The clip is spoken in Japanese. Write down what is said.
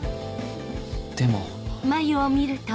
でも